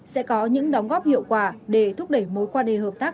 sẽ có những đóng góp hiệu quả để thúc đẩy mối quan hệ hợp tác